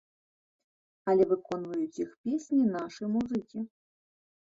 Але выконваюць іх песні нашы музыкі.